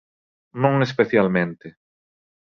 Non especialmente.